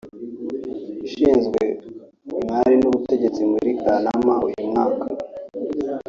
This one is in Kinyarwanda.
ushinzwe Imari n’Ubutegetsi muri Kanama uyu mwaka